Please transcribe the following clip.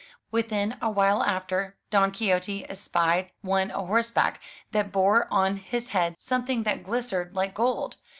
Within a while after, Don Quixote espied one a horseback, that bore on his head something that glistered like gold.